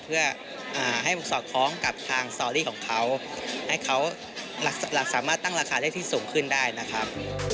เพื่อให้มันสอดคล้องกับทางสตอรี่ของเขาให้เขาสามารถตั้งราคาได้ที่สูงขึ้นได้นะครับ